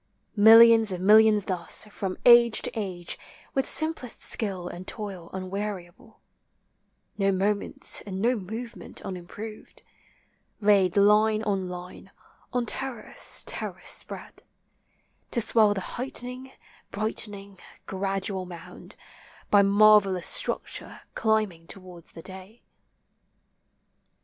397 Millions of millions thus, from age to age, With simplest skill and toil unweariable, No moment and no movement unimproved, Laid line on line, on terrace terrace spread, To swell the heightening, brightening, gradual mound, By marvel Ions structure climbing towards the day.